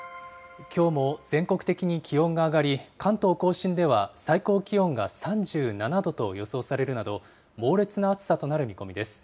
きょうも全国的に気温が上がり、関東甲信では最高気温が３７度と予想されるなど、猛烈な暑さとなる見込みです。